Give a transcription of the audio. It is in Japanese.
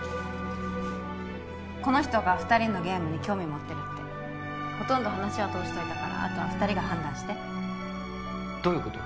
この人が２人のゲームに興味持ってるってほとんど話は通しといたからあとは２人が判断してどういうこと？